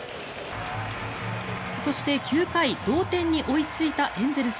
そして９回同点に追いついたエンゼルス。